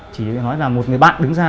chỉ nói là một người bạn đứng ra